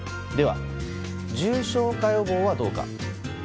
では、重症化予防はどうか。